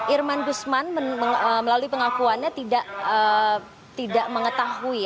irman gusman melalui pengakuannya tidak mengetahui